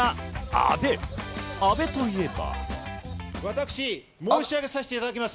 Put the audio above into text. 阿部といえば。